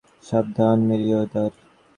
সাবধান, মেরিওয়েদার।